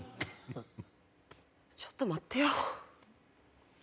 ちょっと待ってよ。